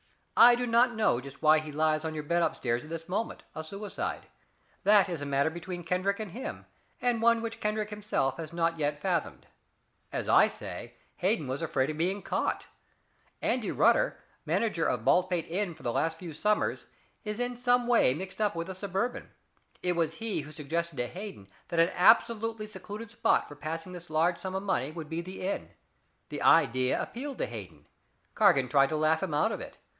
I do not know just why he lies on your bed up stairs at this moment, a suicide that is a matter between Kendrick and him, and one which Kendrick himself has not yet fathomed. As I say, Hayden was afraid of being caught. Andy Rutter, manager of Baldpate Inn for the last few summers, is in some way mixed up in the Suburban. It was he who suggested to Hayden that an absolutely secluded spot for passing this large sum of money would be the inn. The idea appealed to Hayden. Cargan tried to laugh him out of it.